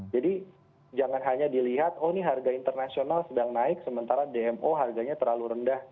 jadi jangan hanya dilihat oh ini harga internasional sedang naik sementara dmo harganya terlalu rendah